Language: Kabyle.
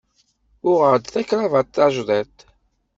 Uɣeɣ-d takravat tajḍiṭ.